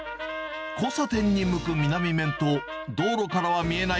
交差点に向く南面と、道路からは見えない